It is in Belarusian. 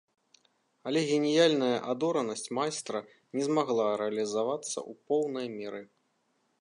Але геніяльная адоранасць майстра не змагла рэалізавацца ў поўнай меры.